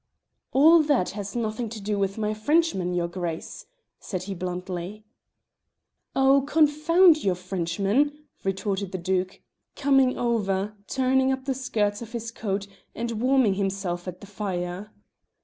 "All that has nothing to do with my Frenchman, your Grace," said he bluntly. "Oh, confound your Frenchman!" retorted the Duke, coming over, turning up the skirts of his coat, and warming himself at the fire.